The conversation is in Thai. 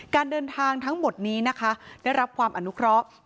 การเดินทางทั้งหมดนี้นะคะได้รับความอนุเคราะห์